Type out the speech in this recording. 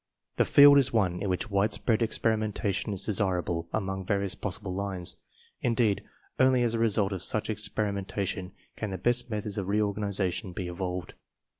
The field is one in which widespread experimentation is desirable along various possible lines. Indeed, only as the result of such experimen tation can the best methods of reorganization be evolved.